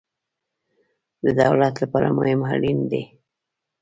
د دولت لپاره ملت اړین دی